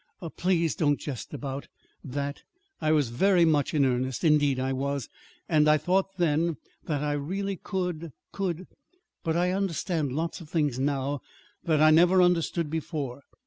Ah, please, don't jest about that. I was very much in earnest indeed, I was! And I thought then that I really could could But I understand lots of things now that I never understood before.